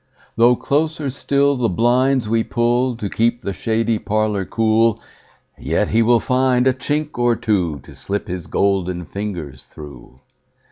Though closer still the blinds we pullTo keep the shady parlour cool, Yet he will find a chink or twoTo slip his golden fingers through.